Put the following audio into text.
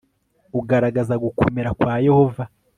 ugaragaza gukomera kwa yehova